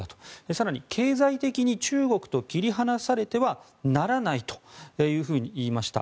更に経済的に中国と切り離されてはならないと言いました。